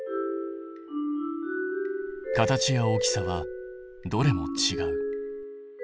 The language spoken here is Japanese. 形や大きさはどれもちがう。